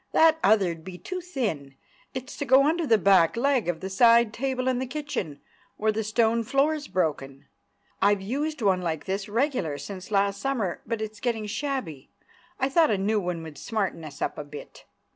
"That other'd be too thin; it's to go under the back leg of the side table in the kitchen, where the stone floor's broken. I've used one like this regular since last summer, but it's getting shabby. I thought a new one would smarten us up a bit."